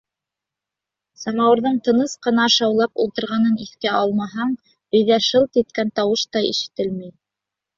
Самауырҙың тыныс ҡына шаулап ултырғанын иҫкә алмаһаң, өйҙә шылт иткән тауыш та ишетелмәй.